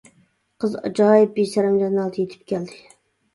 قىز ئاجايىپ بىسەرەمجان ھالدا يېتىپ كەلدى.